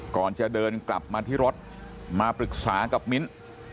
ก่อนจะเดินกลับมาที่รถมาปรึกษากับมิ้น